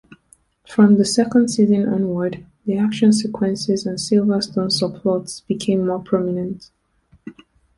From the second season onward, the action sequences and Silverstone subplots became more prominent.